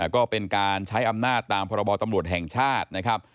ก็เป็นการใช้อำนาจตามพรบตำรวจแห่งชาตินะครับ